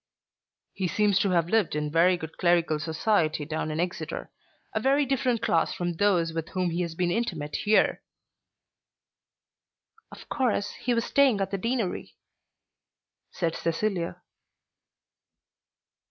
"He seems to have lived in very good clerical society down in Exeter, a very different class from those with whom he has been intimate here." "Of course he was staying at the Deanery," said Cecilia.